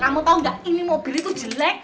kamu tahu nggak ini mobil itu jelek